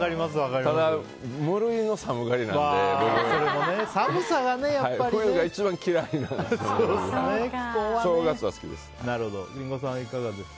ただ無類の寒がりなので冬が一番嫌いなんです。